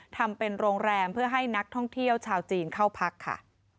ทำเป็นโรงแรมเพื่อให้นักท่องเที่ยวชาวจีนเข้าพักค่ะ